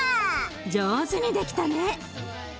上手に出来たね。